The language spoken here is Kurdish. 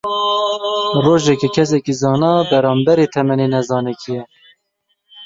Rojeke kesekî zana, beramberê temenê nezanekî ye.